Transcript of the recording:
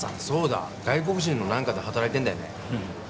そうだ外国人の何かで働いてるんだよね